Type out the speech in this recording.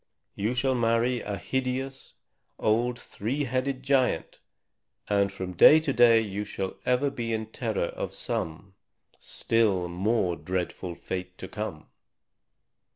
You shall marry a hideous old three headed giant, and from day to day you shall ever be in terror of some still more dreadful fate to come!"